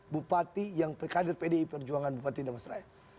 bupati yang kadir pdi perjuangan bupati damastraya